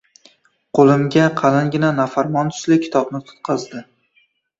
Qo‘limga qalingina nafarmon tusli kitobni tutqazdi.